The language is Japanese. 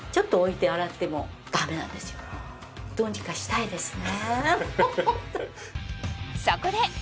どうにかしたいですね。